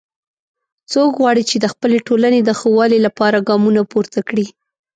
څوک غواړي چې د خپلې ټولنې د ښه والي لپاره ګامونه پورته کړي